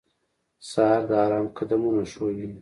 سهار د آرام قدمونه ښووي.